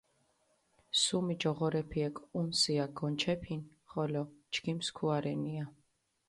სუმი ჯოღორეფი ეკოჸუნსია გონჩეფინ, ხოლო ჩქიმ სქუა რენია.